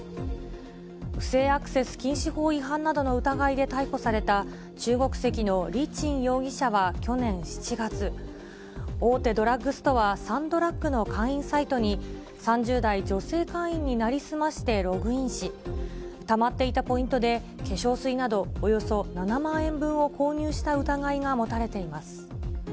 不正アクセス禁止法違反などの疑いで逮捕された中国籍の李ちん容疑者は去年７月、大手ドラッグストア、サンドラッグの会員サイトに、３０代女性会員に成り済ましてログインし、たまっていたポイントで、化粧水などおよそ７万円分を購入した疑いが持たれています。